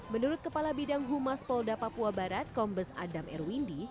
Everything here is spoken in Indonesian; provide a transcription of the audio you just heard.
menurut kepala bidang humas polda papua barat kombes adam erwindi